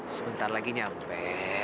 sebentar lagi nyampe